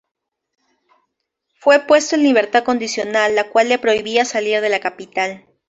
Fue puesto en libertad condicional, la cual le prohibía salir de la capital.